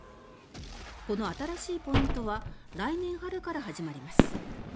この新しいポイントは来年春から始まります。